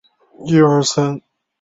官位是修理大夫。